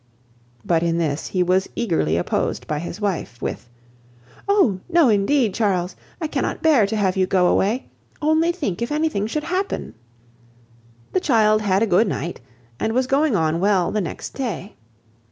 But in this he was eagerly opposed by his wife, with "Oh! no, indeed, Charles, I cannot bear to have you go away. Only think if anything should happen?" The child had a good night, and was going on well the next day.